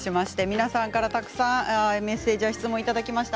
皆さんからたくさんメッセージや質問をいただきました。